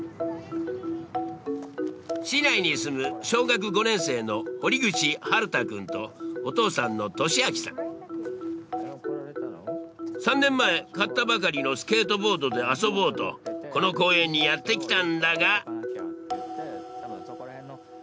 市内に住む小学５年生の３年前買ったばかりのスケートボードで遊ぼうとこの公園にやって来たんだが。